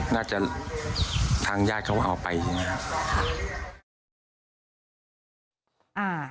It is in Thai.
น่าจะทางญาติเขาเอาไปใช่ไหมครับ